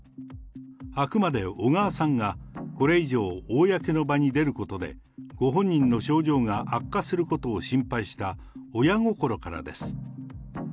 あくまで小川さんがこれ以上、公の場に出ることで、ご本人の症状が悪化することを心配した親心からです。